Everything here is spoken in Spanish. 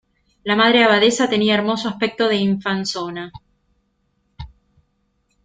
la Madre Abadesa tenía hermoso aspecto de infanzona: